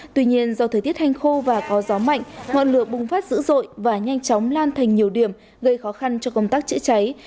tuy nhiên do thời tiết hành khô và có gió mạnh ngọn lửa bùng phát dữ dội và nhanh chóng lan thành nhiều điểm gây khó khăn cho công tác chữa cháy